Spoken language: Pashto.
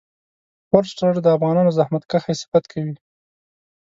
فورسټر د افغانانو زحمت کښی صفت کوي.